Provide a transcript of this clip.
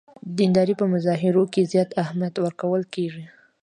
دیندارۍ په مظاهرو کې زیات اهمیت ورکول کېږي.